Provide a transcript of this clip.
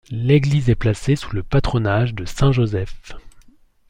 L'église est placée sous le patronage de saint Joseph.